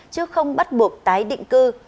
chứ không bắt buộc tái định cư